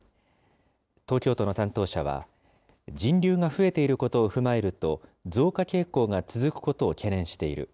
東京都の担当者は、人流が増えていることを踏まえると、増加傾向が続くことを懸念している。